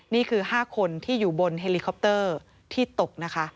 นี่คือ๕คนที่อยู่บนเฮลิคอปเตอร์ที่ตกนะคะ